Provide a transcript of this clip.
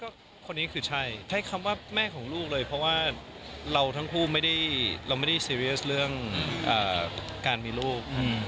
ก็คนนี้คือใช่ใช้คำว่าแม่ของลูกเลยเพราะว่าเราทั้งคู่ไม่ได้เราไม่ได้ซีเรียสเรื่องการมีลูก